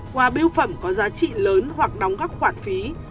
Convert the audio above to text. quà biêu phẩm có giá trị lớn hoặc đóng các khoản phí